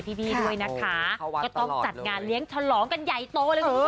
เข้าวัดตลอดเลยก็ต้องจัดงานเลี้ยงชลองกันใหญ่โตเลยคุณผู้ชมก่อน